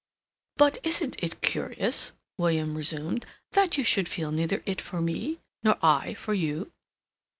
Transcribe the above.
"But isn't it curious," William resumed, "that you should neither feel it for me, nor I for you?"